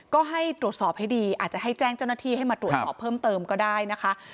ก็ให้ตรวจสอบให้ดีอาจจะให้แจ้งเจ้าหน้าที่ให้มาตรวจสอบเพิ่มเติมก็ได้นะคะ